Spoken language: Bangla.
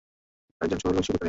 একজন শহুরে লোক শূকরকে নিয়েছে।